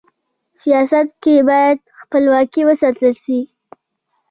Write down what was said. سیاست کي بايد خپلواکي و ساتل سي.